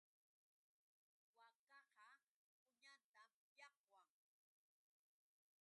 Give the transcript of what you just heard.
Waakaqa uñanta llaqwan.